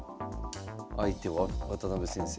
相手は渡辺先生。